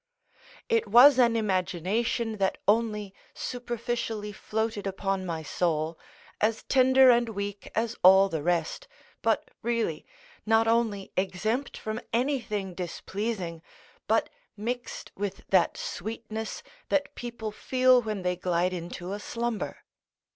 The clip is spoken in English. It was an imagination that only superficially floated upon my soul, as tender and weak as all the rest, but really, not only exempt from anything displeasing, but mixed with that sweetness that people feel when they glide into a slumber.